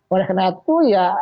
oleh karena itu ya